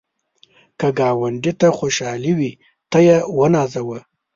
که ګاونډي ته خوشحالي وي، ته یې ونازوه